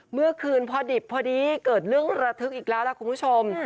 เมื่อคืนพอดิบพอดีเกิดเรื่องระทึกอีกแล้วล่ะคุณผู้ชม